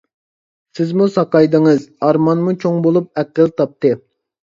سىزمۇ ساقايدىڭىز، ئارمانمۇ چوڭ بولۇپ ئەقىل تاپتى.